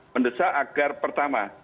mendesak agar pertama